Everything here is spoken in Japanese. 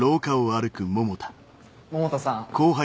百田さん。